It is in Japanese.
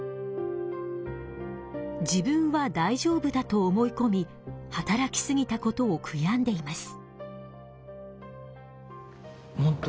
自分はだいじょうぶだと思いこみ働きすぎたことを悔やんでいます。